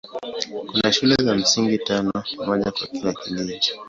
Kuna shule za msingi tano, moja kwa kila kijiji.